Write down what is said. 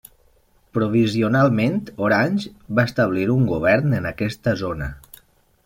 Provisionalment Orange va establir un govern en aquesta zona.